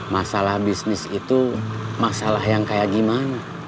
masalah bisnis itu masalah yang kayak gimana